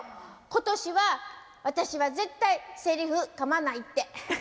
今年は私は絶対セリフかまないって。